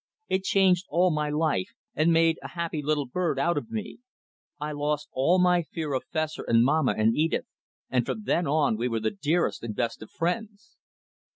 It changed all my life and made a happy little bird out of me. I lost all my fear of Fessor and Mamma and Edith, and from then on we were the dearest and best of friends.